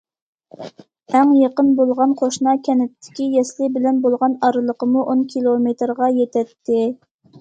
ئەڭ يېقىن بولغان قوشنا كەنتتىكى يەسلى بىلەن بولغان ئارىلىقمۇ ئون كىلومېتىرغا يېتەتتى.